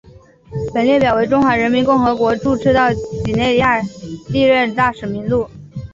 本列表为中华人民共和国驻赤道几内亚历任大使名录。